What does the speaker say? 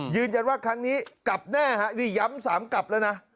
ยืนยันว่าครั้งนี้กลับแน่ฮะนี่ย้ำ๓กลับแล้วนะ